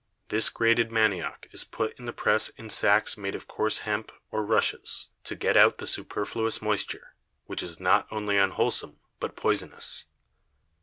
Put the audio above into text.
This grated Manioc is put in the Press in Sacks made of coarse Hemp, or Rushes, to get out the superfluous Moisture, which is not only unwholesome, but poisonous.